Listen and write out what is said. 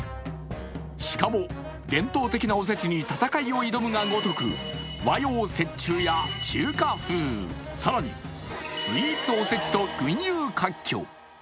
しかも、伝統的なおせちに戦いを挑むがごとく和洋折衷や中華風、更にスイーツおせちと群雄割拠。